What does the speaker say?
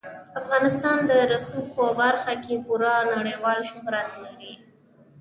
افغانستان د رسوب په برخه کې پوره نړیوال شهرت لري.